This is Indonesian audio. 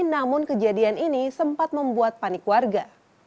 namun kejadian ini sempat membuat panik warga